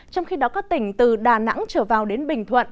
trong khi đó các tỉnh từ đà nẵng trở vào đến bình thuận